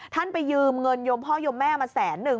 ท่านไปยืมเงินยมพ่อยมแม่มาแสนหนึ่ง